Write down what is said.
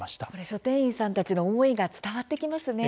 書店員さんたちの思いが伝わってきますね。